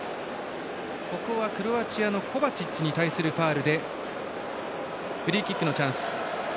クロアチアのコバチッチに対するファウルでフリーキックのチャンス。